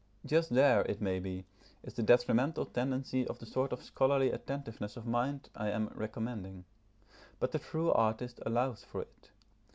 Just there, it may be, is the detrimental tendency of the sort of scholarly attentiveness of mind I am recommending. But the true artist allows for it.